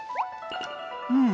うん。